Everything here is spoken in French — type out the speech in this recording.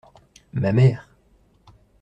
Ma mère.